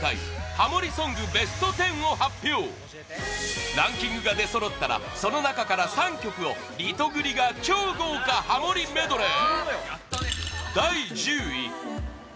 ハモりソングＢＥＳＴ１０を発表ランキングが出そろったらその中から３曲をリトグリが超豪華ハモりメドレー！